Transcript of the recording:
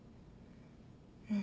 うん。